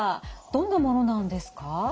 どんなものなんですか？